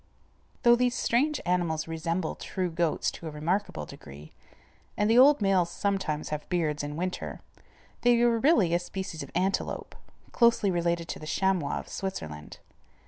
Though these strange animals resemble true goats to a remarkable degree, and the old males sometimes have beards in winter, they are really a species of antelope, closely related to the chamois of Switzerland.